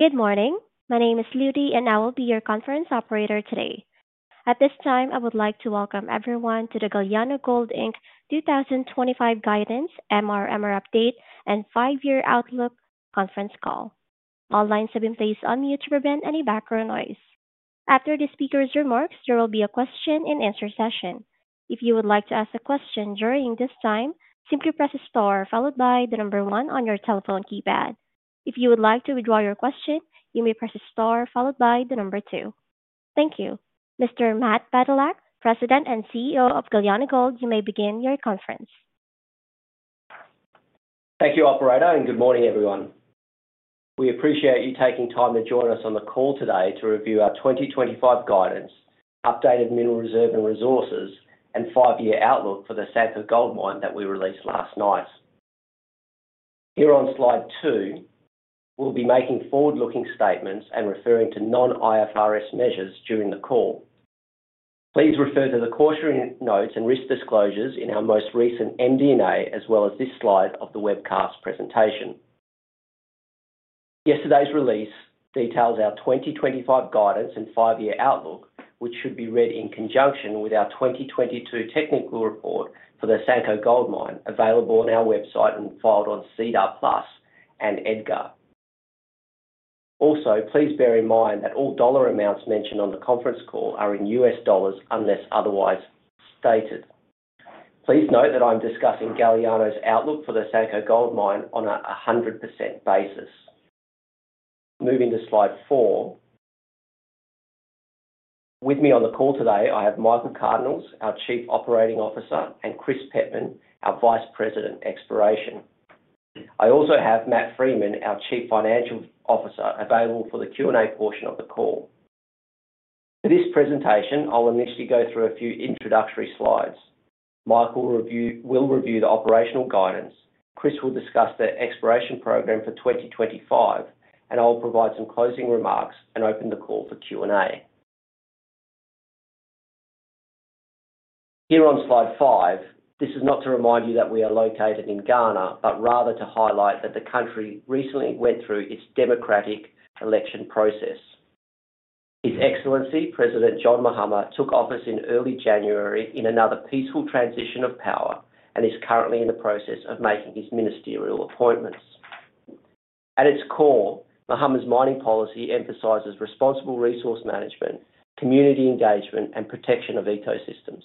Good morning. My name is Liudy, and I will be your conference operator today. At this time, I would like to welcome everyone to the Galiano Gold Inc. 2025 Guidance, Mineral Resource/Mineral Reserve Update, and 5-Year Outlook Conference Call. All lines have been placed on mute to prevent any background noise. After the speaker's remarks, there will be a question-and-answer session. If you would like to ask a question during this time, simply press Star followed by the number one on your telephone keypad. If you would like to withdraw your question, you may press Star followed by the number two. Thank you. Mr. Matt Badylak, President and CEO of Galiano Gold, you may begin your conference. Thank you, Operator, and good morning, everyone. We appreciate you taking time to join us on the call today to review our 2025 guidance, updated mineral reserve and resources, and 5-year outlook for the Asanko Gold Mine that we released last night. Here on slide 2, we'll be making forward-looking statements and referring to non-IFRS measures during the call. Please refer to the cautionary notes and risk disclosures in our most recent MD&A, as well as this slide of the webcast presentation. Yesterday's release details our 2025 guidance and 5-year outlook, which should be read in conjunction with our 2022 technical report for the Asanko Gold Mine, available on our website and filed on SEDAR+ and EDGAR. Also, please bear in mind that all dollar amounts mentioned on the conference call are in U.S. dollars unless otherwise stated. Please note that I'm discussing Galiano's outlook for the Asanko Gold Mine on a 100% basis. Moving to slide 4. With me on the call today, I have Michael Cardinaels, our Chief Operating Officer, and Chris Pettman, our Vice President, Exploration. I also have Matt Freeman, our Chief Financial Officer, available for the Q&A portion of the call. For this presentation, I'll initially go through a few introductory slides. Michael will review the operational guidance, Chris will discuss the exploration program for 2025, and I'll provide some closing remarks and open the call for Q&A. Here on slide 5, this is not to remind you that we are located in Ghana, but rather to highlight that the country recently went through its democratic election process. His Excellency, President John Mahama, took office in early January in another peaceful transition of power and is currently in the process of making his ministerial appointments. At its core, Mahama's mining policy emphasizes responsible resource management, community engagement, and protection of ecosystems.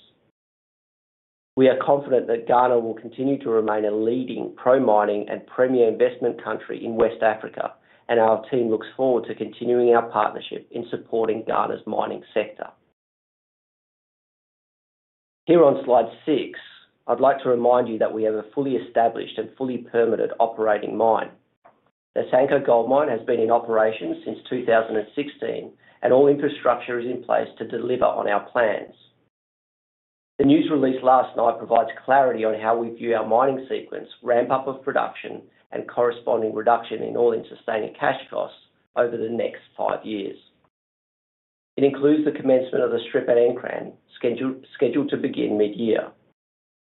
We are confident that Ghana will continue to remain a leading pro-mining and premier investment country in West Africa, and our team looks forward to continuing our partnership in supporting Ghana's mining sector. Here on slide 6, I'd like to remind you that we have a fully established and fully permitted operating mine. The Asanko Gold Mine has been in operation since 2016, and all infrastructure is in place to deliver on our plans. The news released last night provides clarity on how we view our mining sequence, ramp-up of production, and corresponding reduction in all-in sustaining cash costs over the next five years. It includes the commencement of the strip at Nkran, scheduled to begin mid-year.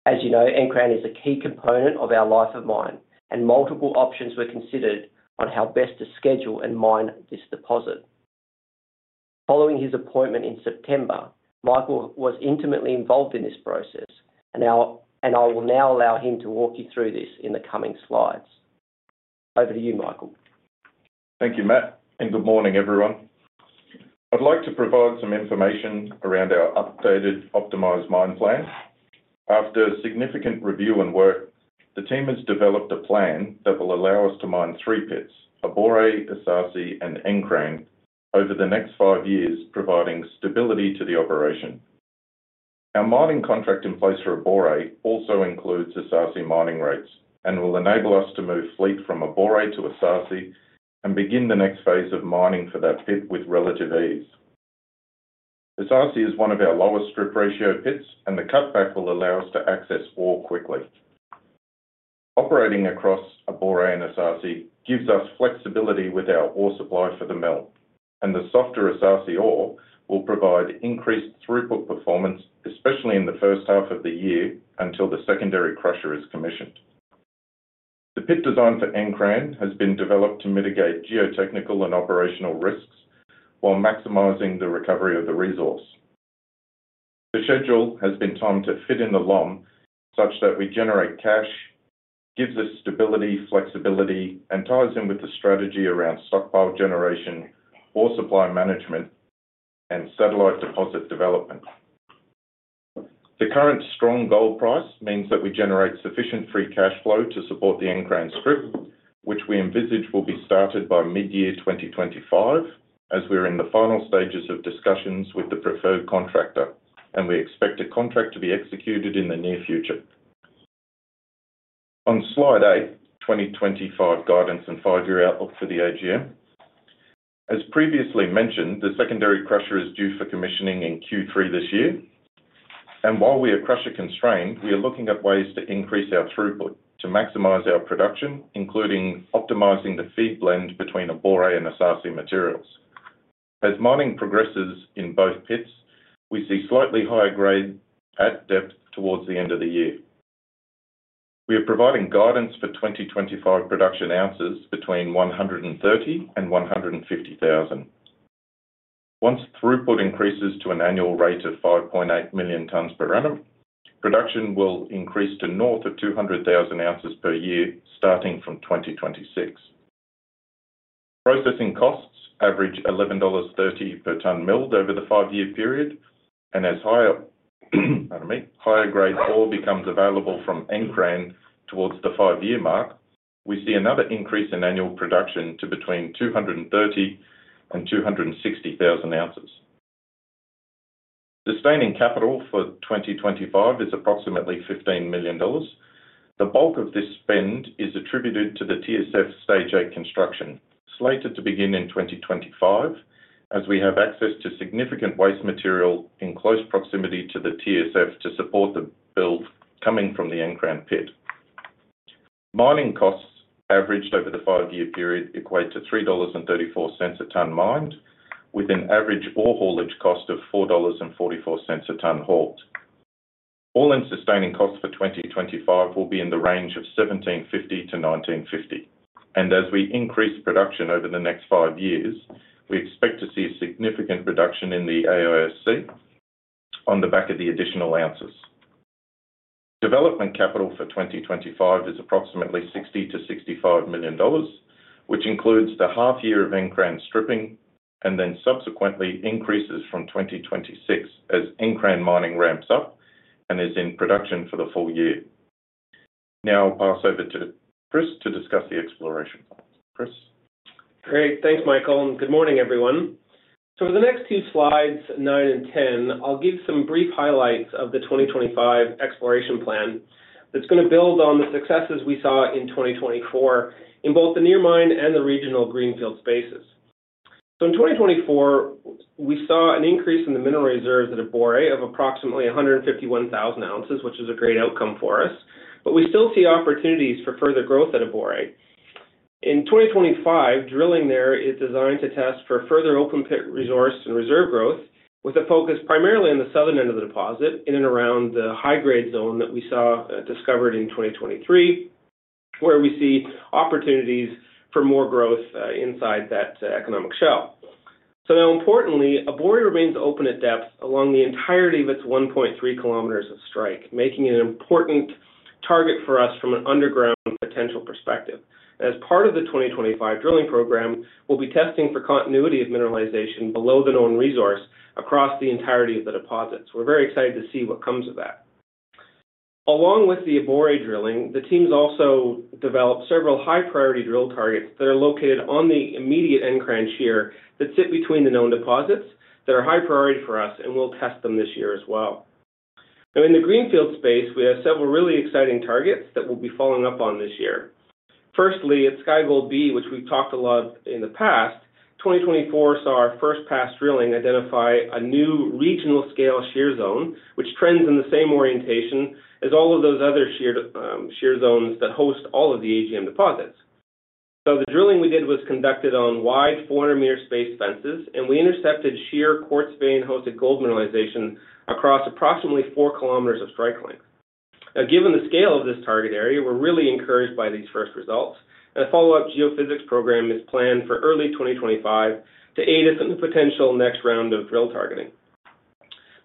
As you know, Nkran is a key component of our life of mine, and multiple options were considered on how best to schedule and mine this deposit. Following his appointment in September, Michael was intimately involved in this process, and I will now allow him to walk you through this in the coming slides. Over to you, Michael. Thank you, Matt, and good morning, everyone. I'd like to provide some information around our updated optimized mine plan. After significant review and work, the team has developed a plan that will allow us to mine three pits: Abore, Esaase, and Nkran over the next five years, providing stability to the operation. Our mining contract in place for Abore also includes Esaase mining rates and will enable us to move fleet from Abore to Esaase and begin the next phase of mining for that pit with relative ease. Esaase is one of our lowest strip ratio pits, and the cutback will allow us to access ore quickly. Operating across Abore and Esaase gives us flexibility with our ore supply for the mill, and the softer Esaase ore will provide increased throughput performance, especially in the first half of the year until the secondary crusher is commissioned. The pit design for Nkran has been developed to mitigate geotechnical and operational risks while maximizing the recovery of the resource. The schedule has been timed to fit in the LOM such that we generate cash, gives us stability, flexibility, and ties in with the strategy around stockpile generation, ore supply management, and satellite deposit development. The current strong gold price means that we generate sufficient free cash flow to support the Nkran strip, which we envisage will be started by mid-year 2025, as we're in the final stages of discussions with the preferred contractor, and we expect a contract to be executed in the near future. On slide eight, 2025 guidance and five-year outlook for the AGM. As previously mentioned, the secondary crusher is due for commissioning in Q3 this year, and while we are crusher constrained, we are looking at ways to increase our throughput to maximize our production, including optimizing the feed blend between Abore and Esaase materials. As mining progresses in both pits, we see slightly higher grade at depth towards the end of the year. We are providing guidance for 2025 production ounces between 130,000 and 150,000. Once throughput increases to an annual rate of 5.8 million tons per annum, production will increase to north of 200,000 ounces per year starting from 2026. Processing costs average $11.30 per ton milled over the five-year period, and as higher grade ore becomes available from Nkran towards the five-year mark, we see another increase in annual production to between 230,000 and 260,000 ounces. Sustaining capital for 2025 is approximately $15 million. The bulk of this spend is attributed to the TSF Stage 8 construction slated to begin in 2025, as we have access to significant waste material in close proximity to the TSF to support the build coming from the Nkran pit. Mining costs averaged over the five-year period equate to $3.34 a ton mined, with an average ore haulage cost of $4.44 a ton hauled. All-in sustaining costs for 2025 will be in the range of $1,750-$1,950, and as we increase production over the next five years, we expect to see a significant reduction in the AISC on the back of the additional ounces. Development capital for 2025 is approximately $60-$65 million, which includes the half-year of Nkran stripping and then subsequently increases from 2026 as Nkran mining ramps up and is in production for the full year. Now I'll pass over to Chris to discuss the exploration plan. Chris. Great. Thanks, Michael. And good morning, everyone. So for the next two slides, 9 and 10, I'll give some brief highlights of the 2025 exploration plan that's going to build on the successes we saw in 2024 in both the near mine and the regional greenfield spaces. So in 2024, we saw an increase in the mineral reserves at Abore of approximately 151,000 ounces, which is a great outcome for us, but we still see opportunities for further growth at Abore. In 2025, drilling there is designed to test for further open pit resource and reserve growth, with a focus primarily on the southern end of the deposit in and around the high-grade zone that we saw discovered in 2023, where we see opportunities for more growth inside that economic shell. So now, importantly, Abore remains open at depth along the entirety of its 1.3 kilometers of strike, making it an important target for us from an underground potential perspective. As part of the 2025 drilling program, we'll be testing for continuity of mineralization below the known resource across the entirety of the deposits. We're very excited to see what comes of that. Along with the Abore drilling, the teams also developed several high-priority drill targets that are located on the immediate Nkran Shear that sit between the known deposits that are high priority for us, and we'll test them this year as well. Now, in the greenfield space, we have several really exciting targets that we'll be following up on this year. Firstly, at Skye Gold, which we've talked a lot about in the past, 2024 saw our first pass drilling identify a new regional-scale shear zone, which trends in the same orientation as all of those other shear zones that host all of the AGM deposits. So the drilling we did was conducted on wide 400-meter space fences, and we intercepted shear quartz vein-hosted gold mineralization across approximately 4 kilometers of strike length. Now, given the scale of this target area, we're really encouraged by these first results, and a follow-up geophysics program is planned for early 2025 to aid us in the potential next round of drill targeting.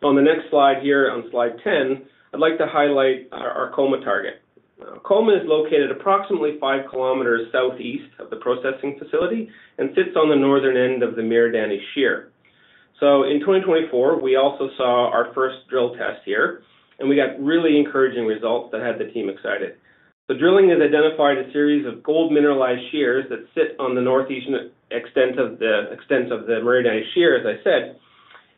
On the next slide here, on slide 10, I'd like to highlight our Koma target. Koma is located approximately 5 kilometers southeast of the processing facility and sits on the northern end of the Miradani Shear. So in 2024, we also saw our first drill test here, and we got really encouraging results that had the team excited. The drilling has identified a series of gold mineralized shears that sit on the northeastern extent of the Miradani Shear, as I said,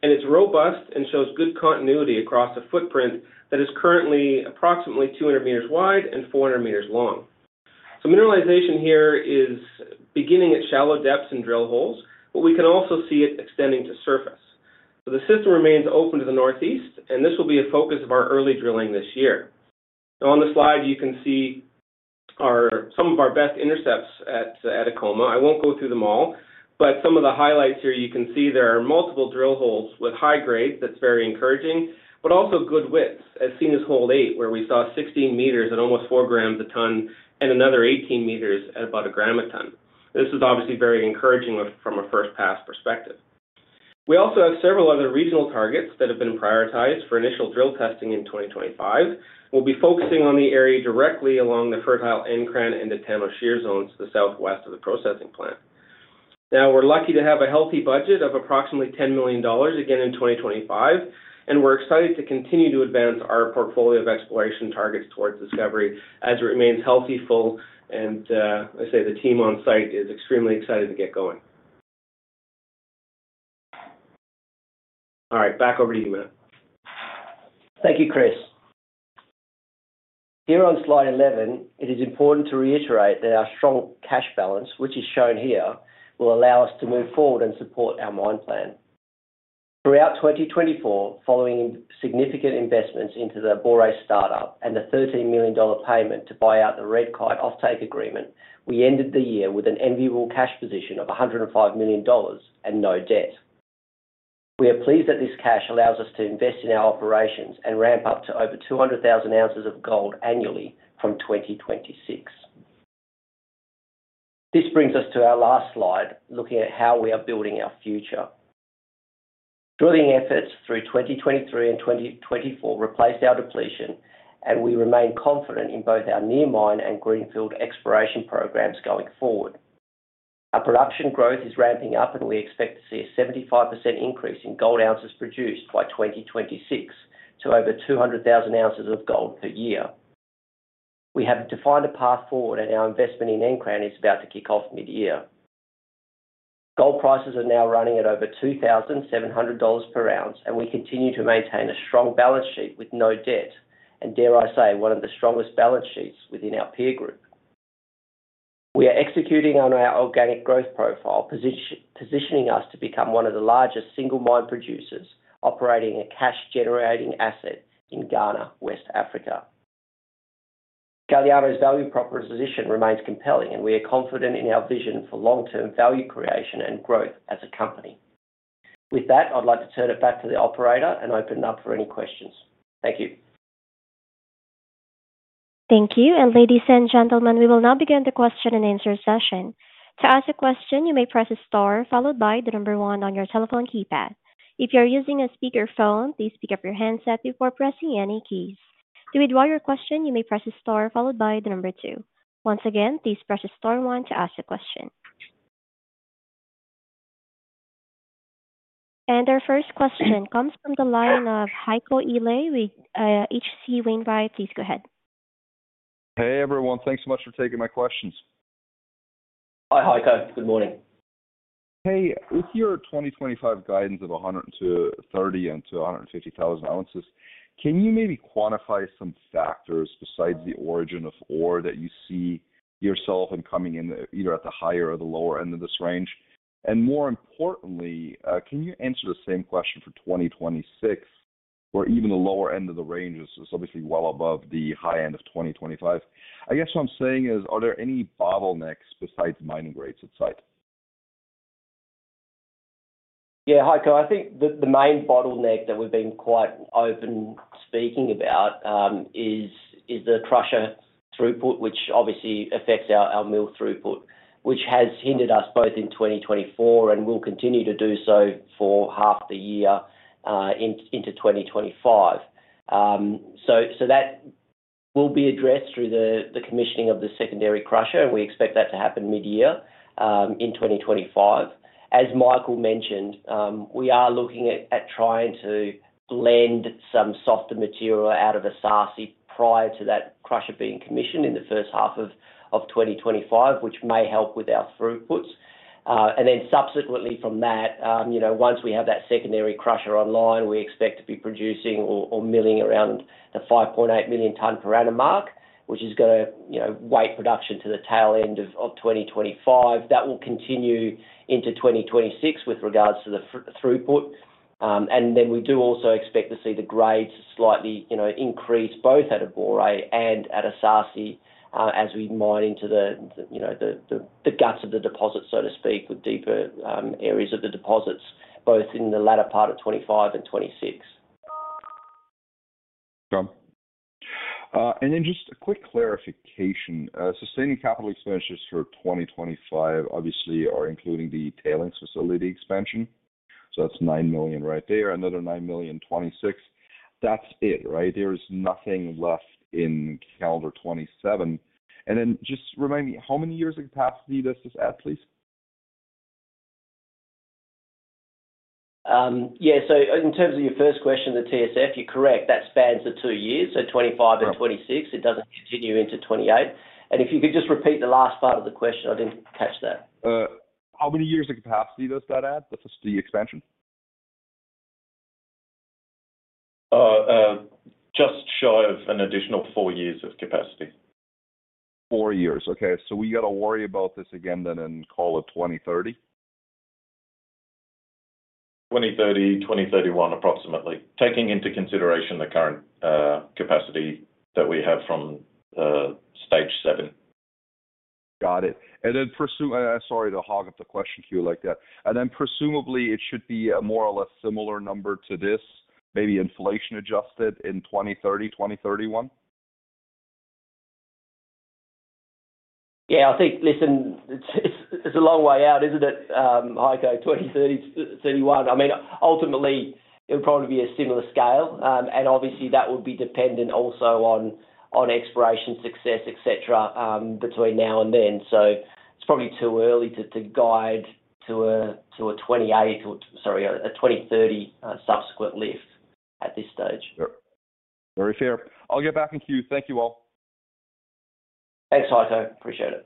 and it's robust and shows good continuity across a footprint that is currently approximately 200 meters wide and 400 meters long. So mineralization here is beginning at shallow depths and drill holes, but we can also see it extending to surface. So the system remains open to the northeast, and this will be a focus of our early drilling this year. Now, on the slide, you can see some of our best intercepts at Koma. I won't go through them all, but some of the highlights here you can see there are multiple drill holes with high grade that's very encouraging, but also good widths, as seen as hole eight, where we saw 16 meters at almost four grams a ton and another 18 meters at about a gram a ton. This is obviously very encouraging from a first-pass perspective. We also have several other regional targets that have been prioritized for initial drill testing in 2025. We'll be focusing on the area directly along the fertile Nkran and the Tano Shear Zone to the southwest of the processing plant. Now, we're lucky to have a healthy budget of approximately $10 million again in 2025, and we're excited to continue to advance our portfolio of exploration targets towards discovery as it remains healthy, full, and I say the team on site is extremely excited to get going. All right, back over to you, Matt. Thank you, Chris. Here on slide 11, it is important to reiterate that our strong cash balance, which is shown here, will allow us to move forward and support our mine plan. Throughout 2024, following significant investments into the Abore startup and the $13 million payment to buy out the Red Kite offtake agreement, we ended the year with an enviable cash position of $105 million and no debt. We are pleased that this cash allows us to invest in our operations and ramp up to over 200,000 ounces of gold annually from 2026. This brings us to our last slide, looking at how we are building our future. Drilling efforts through 2023 and 2024 replaced our depletion, and we remain confident in both our near mine and greenfield exploration programs going forward. Our production growth is ramping up, and we expect to see a 75% increase in gold ounces produced by 2026 to over 200,000 ounces of gold per year. We have defined a path forward, and our investment in Nkran is about to kick off mid-year. Gold prices are now running at over $2,700 per ounce, and we continue to maintain a strong balance sheet with no debt, and dare I say, one of the strongest balance sheets within our peer group. We are executing on our organic growth profile, positioning us to become one of the largest single mine producers operating a cash-generating asset in Ghana, West Africa. Galiano's value proposition remains compelling, and we are confident in our vision for long-term value creation and growth as a company. With that, I'd like to turn it back to the operator and open it up for any questions. Thank you. Thank you. And ladies and gentlemen, we will now begin the question and answer session. To ask a question, you may press star followed by the number one on your telephone keypad. If you're using a speakerphone, please pick up your handset before pressing any keys. To withdraw your question, you may press star followed by the number two. Once again, please press star one to ask a question. And our first question comes from the line of Heiko Ihle with H.C. Wainwright. Please go ahead. Hey, everyone. Thanks so much for taking my questions. Hi, Heiko. Good morning. Hey, with your 2025 guidance of 130,000-150,000 ounces, can you maybe quantify some factors besides the origin of ore that you see yourself coming in either at the higher or the lower end of this range? And more importantly, can you answer the same question for 2026, where even the lower end of the range is obviously well above the high end of 2025? I guess what I'm saying is, are there any bottlenecks besides mining grades at site? Yeah, Heiko, I think the main bottleneck that we've been quite open speaking about is the crusher throughput, which obviously affects our mill throughput, which has hindered us both in 2024 and will continue to do so for half the year into 2025. So that will be addressed through the commissioning of the secondary crusher, and we expect that to happen mid-year in 2025. As Michael mentioned, we are looking at trying to blend some softer material out of the Esaase prior to that crusher being commissioned in the first half of 2025, which may help with our throughputs. And then subsequently from that, once we have that secondary crusher online, we expect to be producing or milling around the 5.8 million ton per annum mark, which is going to weigh production to the tail end of 2025. That will continue into 2026 with regards to the throughput. And then we do also expect to see the grades slightly increase both at Abore and at Esaase as we mine into the guts of the deposit, so to speak, with deeper areas of the deposits, both in the latter part of 2025 and 2026. John. And then just a quick clarification. Sustaining capital expenditures for 2025 obviously are including the tailings facility expansion. So that's $9 million right there, another $9 million in 2026. That's it, right? There is nothing left in calendar 2027. And then just remind me, how many years of capacity does this add, please? Yeah, so in terms of your first question, the TSF, you're correct. That spans the two years, so 2025 and 2026. It doesn't continue into 2028. And if you could just repeat the last part of the question, I didn't catch that. How many years of capacity does that add, the facility expansion? Just shy of an additional four years of capacity. Four years. Okay. So we got to worry about this again then in fall of 2030? 2030, 2031, approximately, taking into consideration the current capacity that we have from stage seven. Got it. And then sorry to hog up the question to you like that. And then presumably, it should be a more or less similar number to this, maybe inflation-adjusted in 2030, 2031? Yeah, I think, listen, it's a long way out, isn't it, Heiko? 2030, 2031. I mean, ultimately, it'll probably be a similar scale. And obviously, that would be dependent also on exploration success, etc., between now and then. So it's probably too early to guide to a 2030 subsequent lift at this stage. Very fair. I'll get back in queue. Thank you all. Thanks, Heiko. Appreciate it.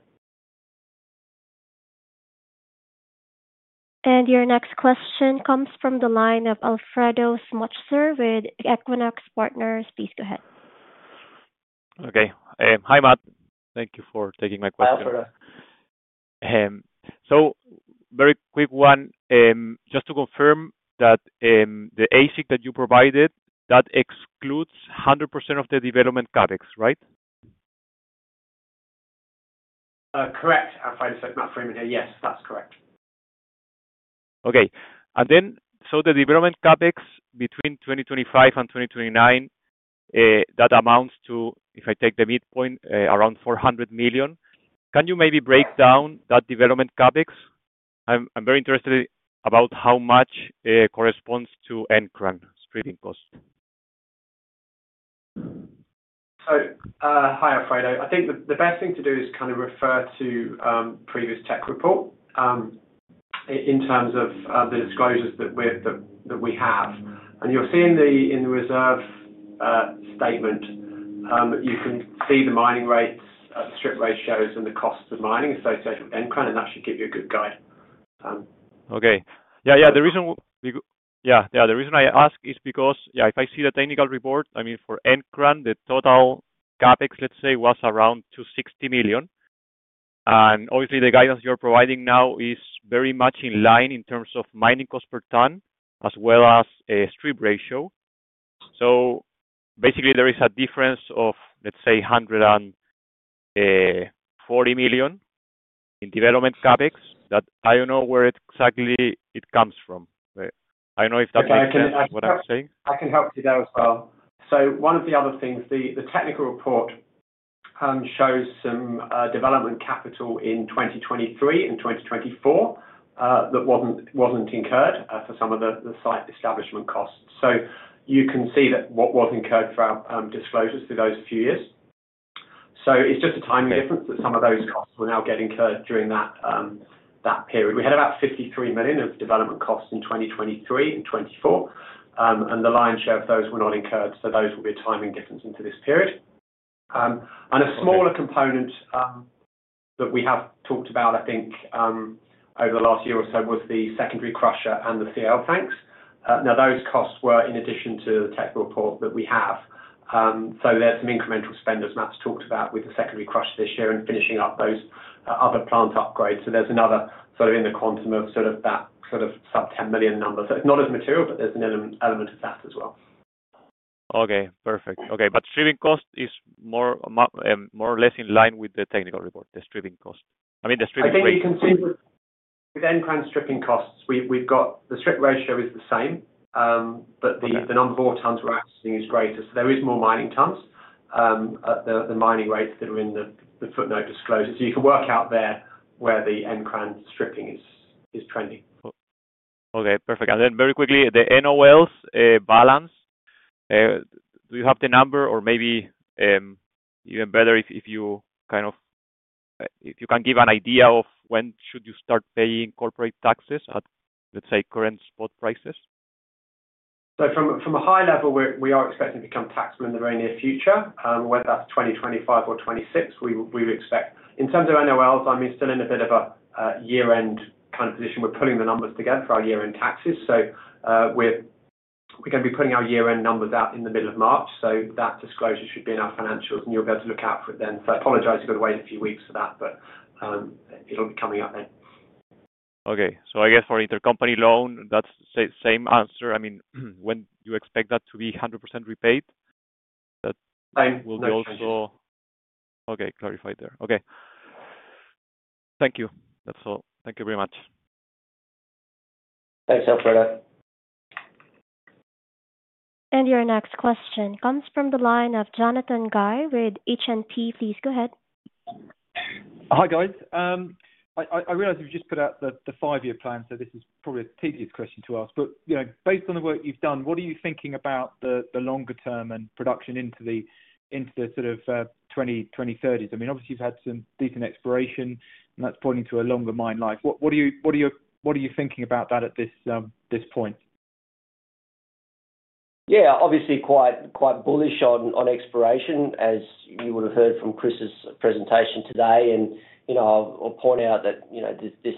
Your next question comes from the line of Alfredo Semeraro with Equinox Partners. Please go ahead. Okay. Hi, Matt. Thank you for taking my question. Alfredo. So very quick one. Just to confirm that the AISC that you provided, that excludes 100% of the development CapEx, right? Correct. I'm trying to say Matt Freeman here. Yes, that's correct. Okay. And then so the development CapEx between 2025 and 2029, that amounts to, if I take the midpoint, around $400 million. Can you maybe break down that development CapEx? I'm very interested about how much corresponds to Nkran's streaming cost. Hi, Alfredo. I think the best thing to do is kind of refer to previous tech report in terms of the disclosures that we have. And you'll see in the reserve statement, you can see the mining rates, the strip ratios, and the cost of mining associated with Nkran, and that should give you a good guide. Okay. Yeah, yeah. Yeah, the reason I ask is because, yeah, if I see the technical report, I mean, for Nkran, the total CapEx, let's say, was around $260 million, and obviously, the guidance you're providing now is very much in line in terms of mining cost per ton as well as strip ratio. So basically, there is a difference of, let's say, $140 million in development CapEx that I don't know where exactly it comes from. I don't know if that makes sense, what I'm saying. I can help you there as well. So one of the other things, the technical report shows some development capital in 2023 and 2024 that wasn't incurred for some of the site establishment costs. So you can see that what was incurred for our disclosures through those few years. So it's just a timing difference that some of those costs were now getting incurred during that period. We had about $53 million of development costs in 2023 and 2024, and the lion's share of those were not incurred. So those will be a timing difference into this period. A smaller component that we have talked about, I think, over the last year or so was the secondary crusher and the CIL tanks. Now, those costs were in addition to the tech report that we have. So there's some incremental spend, as Matt's talked about, with the secondary crusher this year and finishing up those other plant upgrades. So there's another sort of in the quantum of sort of that sort of sub-$10 million number. So it's not as material, but there's an element of that as well. Perfect. But streaming cost is more or less in line with the technical report, the stripping cost. I mean, the stripping cost. I think you can see with Nkran stripping costs, we've got the strip ratio is the same, but the number of ore tons we're accessing is greater. So there is more mining tons at the mining rates that are in the footnote disclosure. So you can work out there where the Nkran stripping is trending. Okay. Perfect. And then very quickly, the NOLs balance, do you have the number or maybe even better, if you kind of can give an idea of when should you start paying corporate taxes at, let's say, current spot prices? So from a high level, we are expecting to become taxable in the very near future, whether that's 2025 or 2026, we would expect. In terms of NOLs, I'm still in a bit of a year-end kind of position. We're pulling the numbers together for our year-end taxes. So we're going to be putting our year-end numbers out in the middle of March. So that disclosure should be in our financials, and you'll be able to look out for it then. So I apologize if you've got to wait a few weeks for that, but it'll be coming up then. Okay. So I guess for intercompany loan, that's the same answer. I mean, when do you expect that to be 100% repaid? Same. Okay. Clarified there. Okay. Thank you. That's all. Thank you very much. Thanks, Alfredo. And your next question comes from the line of Jonathan Guy with H&P. Please go ahead. Hi, guys. I realize you've just put out the five-year plan, so this is probably a tedious question to ask. But based on the work you've done, what are you thinking about the longer term and production into the sort of 2030s? I mean, obviously, you've had some decent exploration, and that's pointing to a longer mine life. What are you thinking about that at this point? Yeah, obviously quite bullish on exploration, as you would have heard from Chris's presentation today. And I'll point out that this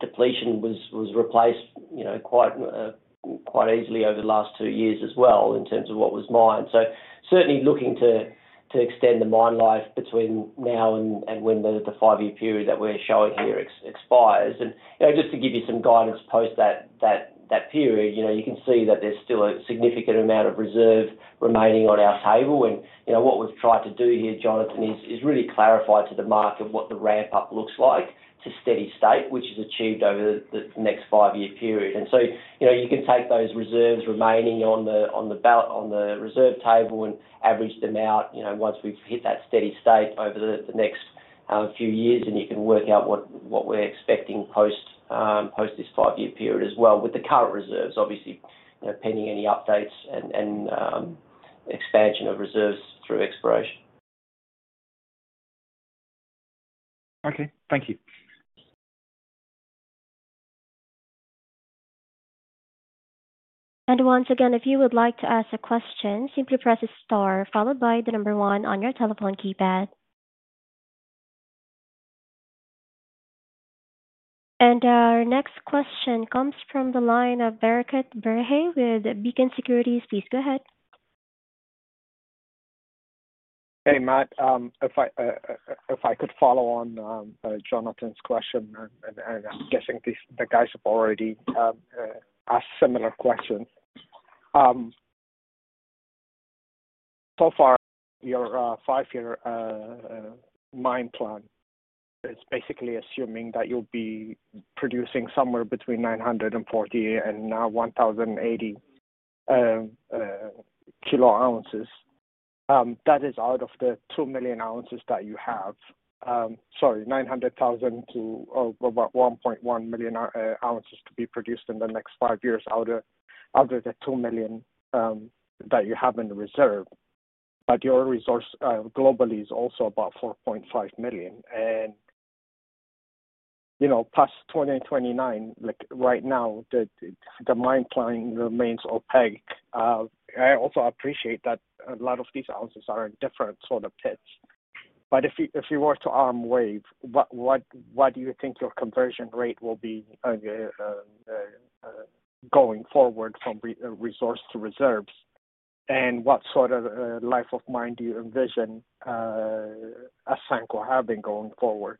depletion was replaced quite easily over the last two years as well in terms of what was mined. So certainly looking to extend the mine life between now and when the five-year period that we're showing here expires. And just to give you some guidance post that period, you can see that there's still a significant amount of reserve remaining on our table. And what we've tried to do here, Jonathan, is really clarify to the market what the ramp-up looks like to steady state, which is achieved over the next five-year period. And so, you can take those reserves remaining on the reserve table and average them out once we've hit that steady state over the next few years, and you can work out what we're expecting post this five-year period as well with the current reserves, obviously, pending any updates and expansion of reserves through exploration. Okay. Thank you. And once again, if you would like to ask a question, simply press star followed by the number one on your telephone keypad. And our next question comes from the line of Bereket Berhe with Beacon Securities. Please go ahead. Hey, Matt. If I could follow on Jonathan's question, and I'm guessing the guys have already asked similar questions. So far, your five-year mine plan is basically assuming that you'll be producing somewhere between 940 and 1,080 kilo ounces. That is out of the 2 million ounces that you have, sorry, 900,000 to about 1.1 million ounces to be produced in the next five years out of the 2 million that you have in the reserve. But your resource globally is also about 4.5 million. And past 2029, right now, the mine plan remains opaque. I also appreciate that a lot of these ounces are in different sort of pits. But if you were to arm wave, what do you think your conversion rate will be going forward from resource to reserves? And what sort of life of mine do you envision as Asanko having going forward?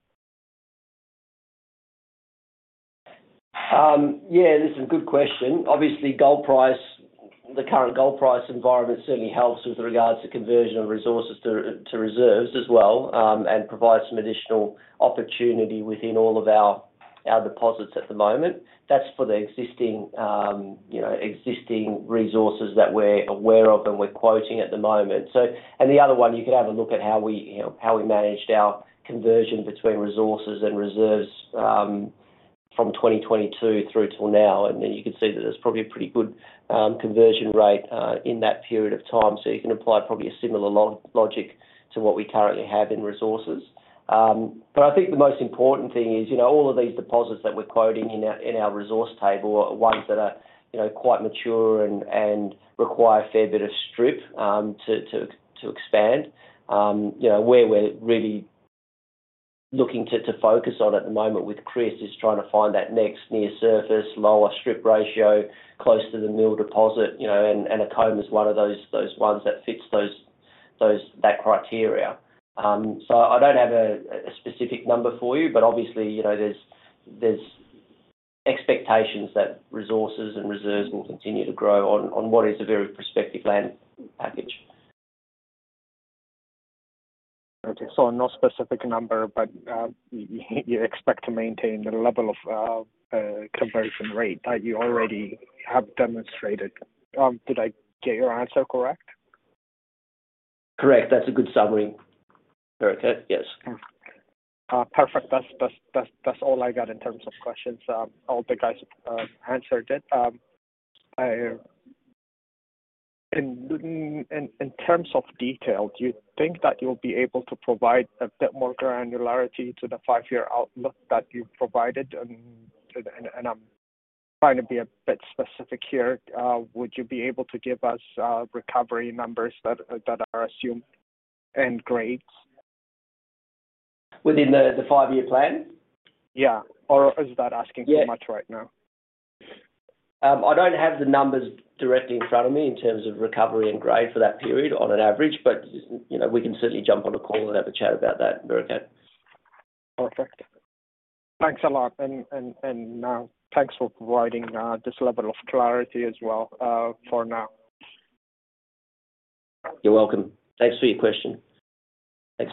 Yeah, that's a good question. Obviously, the current gold price environment certainly helps with regards to conversion of resources to reserves as well and provides some additional opportunity within all of our deposits at the moment. That's for the existing resources that we're aware of and we're quoting at the moment, and the other one, you could have a look at how we managed our conversion between resources and reserves from 2022 through till now, and then you can see that there's probably a pretty good conversion rate in that period of time, so you can apply probably a similar logic to what we currently have in resources, but I think the most important thing is all of these deposits that we're quoting in our resource table are ones that are quite mature and require a fair bit of strip to expand. Where we're really looking to focus on at the moment with Chris is trying to find that next near-surface, lower strip ratio, close to the mill deposit. And Koma is one of those ones that fits that criteria. So I don't have a specific number for you, but obviously, there's expectations that resources and reserves will continue to grow on what is a very prospective land package. So no specific number, but you expect to maintain the level of conversion rate that you already have demonstrated. Did I get your answer correct? Correct. That's a good summary. Very good. Yes. Perfect. That's all I got in terms of questions. All the guys have answered it. In terms of detail, do you think that you'll be able to provide a bit more granularity to the five-year outlook that you provided? And I'm trying to be a bit specific here. Would you be able to give us recovery numbers that are assumed and grades? Within the five-year plan? Yeah. Or is that asking too much right now? I don't have the numbers directly in front of me in terms of recovery and grade for that period on an average, but we can certainly jump on a call and have a chat about that, Bereket. Perfect. Thanks a lot, and thanks for providing this level of clarity as well for now. You're welcome. Thanks for your question. Thanks,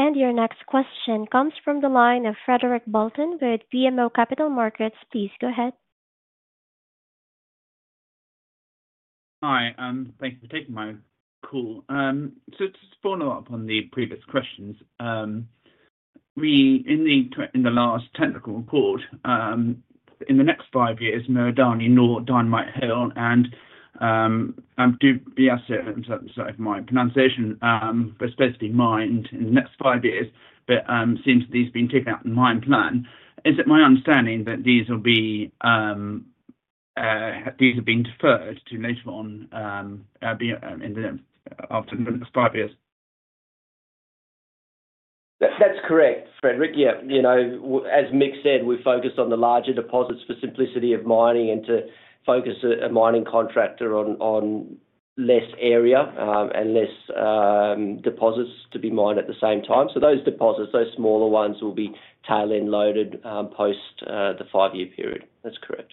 Bereket. Your next question comes from the line of Frederick Bolton with BMO Capital Markets. Please go ahead. Hi. Thanks for taking my call. So to sum up on the previous questions, in the last technical report, in the next five years, Miradani, Dynamite, Abore and Adubiaso—to say my pronunciation—but especially mined in the next five years, but it seems that these have been taken out of the mine plan. Is it my understanding that these have been deferred to later on after the next five years? That's correct, Frederick. Yeah. As Mick said, we focus on the larger deposits for simplicity of mining and to focus a mining contractor on less area and less deposits to be mined at the same time. So those deposits, those smaller ones, will be tail-end loaded post the five-year period. That's correct.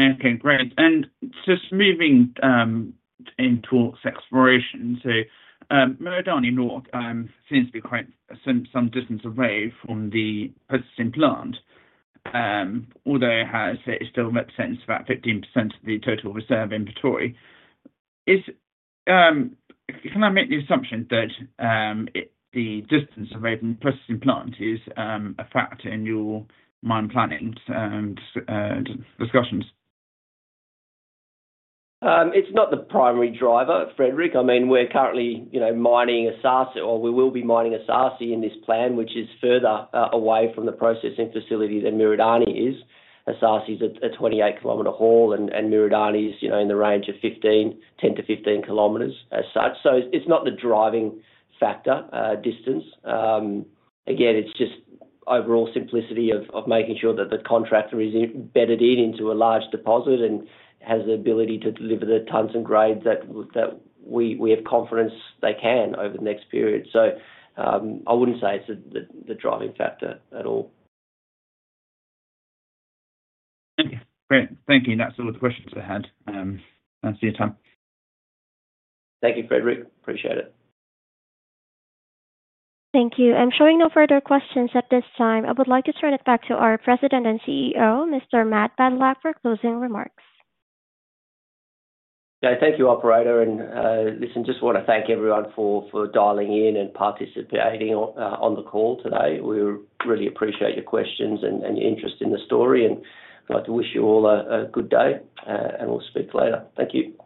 Okay. Great. And just moving into exploration, so Miradani seems to be quite some distance away from the processing plant, although it still represents about 15% of the total reserve inventory. Can I make the assumption that the distance away from the processing plant is a factor in your mine planning discussions? It's not the primary driver, Frederick. I mean, we're currently mining Esaase, or we will be mining Esaase in this plan, which is further away from the processing facility than Miradani is. Esaase is a 28-kilometer haul, and Miradani is in the range of 10-15 kilometers as such. So it's not the driving factor distance. Again, it's just overall simplicity of making sure that the contractor is embedded into a large deposit and has the ability to deliver the tons and grades that we have confidence they can over the next period. So I wouldn't say it's the driving factor at all. Okay. Great. Thank you. That's all the questions I had. Thanks for your time. Thank you, Frederick. Appreciate it. Thank you. I'm showing no further questions at this time. I would like to turn it back to our President and CEO, Mr. Matt Badylak, for closing remarks. Okay. Thank you, operator. And listen, just want to thank everyone for dialing in and participating on the call today. We really appreciate your questions and your interest in the story. And I'd like to wish you all a good day, and we'll speak later. Thank you.